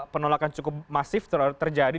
penolakan cukup masif terjadi